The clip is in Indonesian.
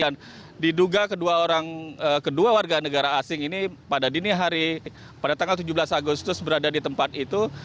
dan diduga kedua warga negara asing ini pada dini hari pada tanggal tujuh belas agustus berada di tempat itu